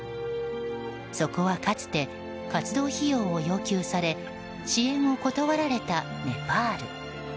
そこはかつて活動費用を要求され支援を断られたネパール。